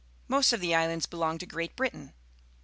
Most of the islands belong to Great Britain.